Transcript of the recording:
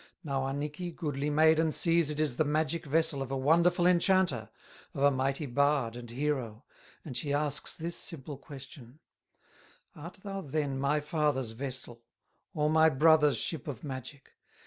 Now Annikki, goodly maiden, Sees it is the magic vessel Of a wonderful enchanter, Of a mighty bard and hero, And she asks this simple question: "Art thou then my father's vessel, Or my brother's ship of magic?